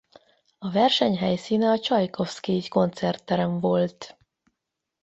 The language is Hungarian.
A verseny helyszíne a Csajkovszkij Koncertterem volt.